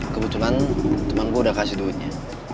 kebetulan teman gue udah kasih duitnya